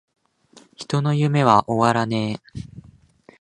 人の夢は!!!終わらねェ!!!!